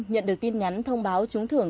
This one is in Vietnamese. nhận được tin nhắn thông báo trúng thưởng